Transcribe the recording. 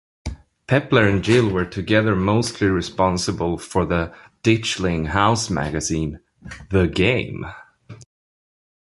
Pepler and Gill were together mostly responsible for the Ditchling house magazine, "The Game".